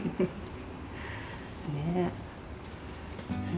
ねえ。